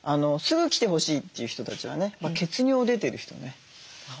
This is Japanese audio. すぐ来てほしいという人たちはね血尿出てる人ね。